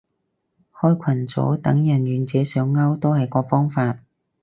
開群組等人願者上釣都係個方法